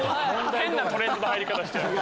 変なトレンドの入り方しちゃう。